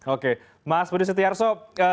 oke mas budi setiarto